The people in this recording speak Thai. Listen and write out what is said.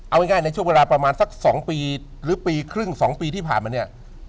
เอาง่ายในช่วงเวลาประมาณสัก๒ปีหรือปีครึ่ง๒ปีที่ผ่านมาเนี่ย